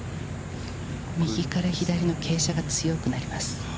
右から左の傾斜が強くなります。